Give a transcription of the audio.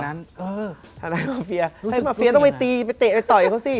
ทนายมาเฟียให้มาเฟียต้องไปตีไปเตะไปต่อยเขาสิ